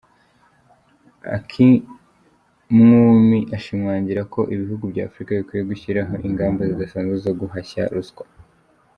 Akinwumi ashimangira ko ibihugu bya Afurika bikwiye gushyiraho ingamba zidasanzwe zo guhashya ruswa.